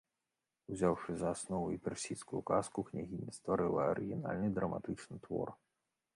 Узяўшы за аснову персідскую казку, княгіня стварыла арыгінальны драматычны твор.